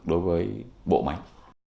đối với bộ máy